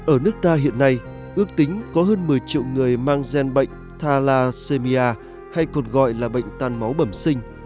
ở nước ta hiện nay ước tính có hơn một mươi triệu người mang gen bệnh thalacemia hay còn gọi là bệnh tan máu bẩm sinh